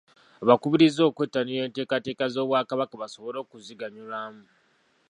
Abakubirizza okwettanira enteekateeka z’Obwakabaka basobole okuziganyulwamu .